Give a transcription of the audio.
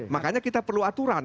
makanya kita perlu aturan